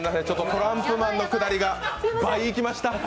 ちょっとトランプマンのくだりが来ました。